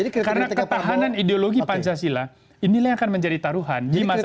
karena ketahanan ideologi pancasila inilah yang akan menjadi taruhan di masa depan